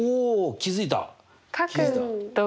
気付いた？